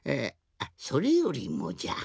あそれよりもじゃ。